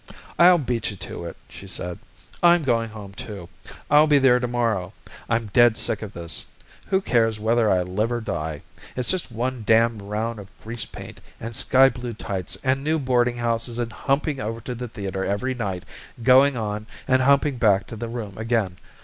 "I'll beat you to it," she said. "I'm going home, too. I'll be there to morrow. I'm dead sick of this. Who cares whether I live or die? It's just one darned round of grease paint, and sky blue tights, and new boarding houses and humping over to the theater every night, going on, and humping back to the room again.